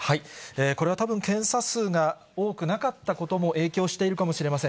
これはたぶん、検査数が多くなかったことも影響しているかもしれません。